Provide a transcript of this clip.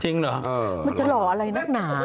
เหรอมันจะหล่ออะไรนักหนา